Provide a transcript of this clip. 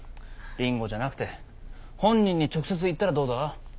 りんごじゃなくて本人に直接言ったらどうだ？